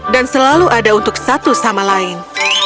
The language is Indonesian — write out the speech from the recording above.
dan selalu ada untuk satu sama lain